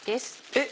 えっ！